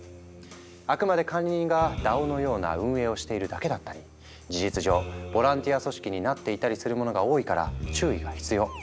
あくまで管理人がＤＡＯのような運営をしているだけだったり事実上ボランティア組織になっていたりするものが多いから注意が必要。